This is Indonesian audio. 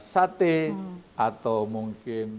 sate atau mungkin